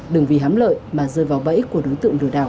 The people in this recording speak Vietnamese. đừng vì hám lợi mà rơi vào bẫy của đối tượng lừa đảo